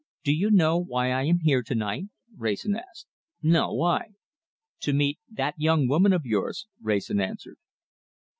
"Do you know why I am here to night?" Wrayson asked. "No! Why?" "To meet that young woman of yours," Wrayson answered.